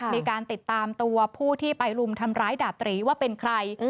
มีการติดตามตัวผู้ที่ไปรุมทำร้ายดาบตรีว่าเป็นใคร